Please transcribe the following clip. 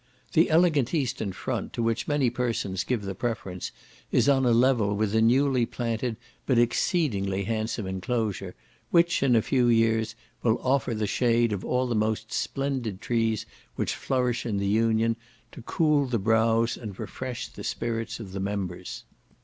The elegant eastern front, to which many persons give the preference, is on a level with a newly planted but exceedingly handsome inclosure, which, in a few years, will offer the shade of all the most splendid trees which flourish in the Union, to cool the brows and refresh the spirits of the members.